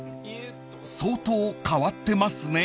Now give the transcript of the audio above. ［相当変わってますね］